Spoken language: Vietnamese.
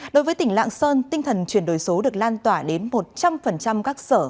đối với tỉnh lạng sơn tinh thần chuyển đổi số được lan tỏa đến một trăm linh các sở